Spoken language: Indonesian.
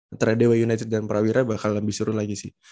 antara dewa united dan prawira bakal lebih suruh lagi sih